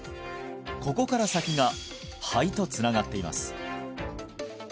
ここから先が肺とつながっています